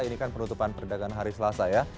ini kan penutupan perdagangan hari selasa ya